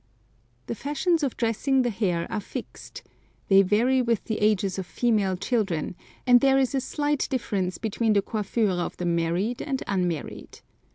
The fashions of dressing the hair are fixed. They vary with the ages of female children, and there is a slight difference between the coiffure of the married and unmarried.